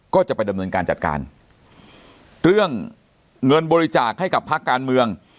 ก็จะไปดำเนินการจัดการเรื่องเงินบริจาคให้กับภาคการเมือง